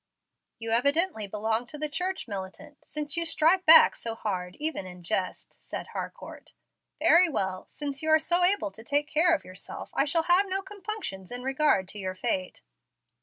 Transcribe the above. "You evidently belong to the church militant, since you strike back so hard even in jest," said Harcourt. "Very well, since you are so able to take care of yourself I shall have no compunctions in regard to your fate."